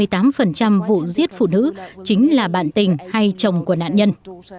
trong vụ giết phụ nữ chính là bạn tình hay chồng của nạn nhân